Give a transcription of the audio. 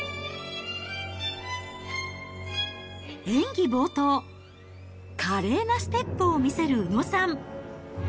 演技冒頭、華麗なステップを見せる宇野さん。